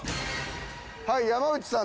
はい山内さん。